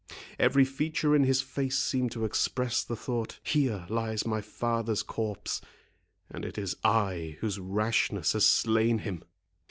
Every feature in his face seemed to express the thought, "Here lies my father's corpse, and it is I whose rashness has slain him!"